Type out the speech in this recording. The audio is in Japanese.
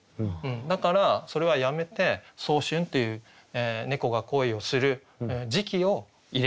だからそれはやめて「早春」っていう猫が恋をする時期を入れてあげるとぴったり来ると。